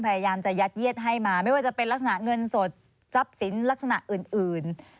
พยายามจะยัดเยียดให้มาไม่ว่าจะเป็นลักษณะเงินสดทรัพย์สินลักษณะอื่น